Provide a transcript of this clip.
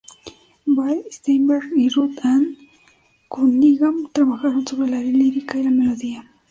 Billy Steinberg y Ruth-Anne Cunningham trabajaron sobre la lírica y la melodía.